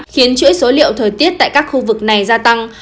khiến chuỗi số liệu thời tiết tại các khu vực này gia tăng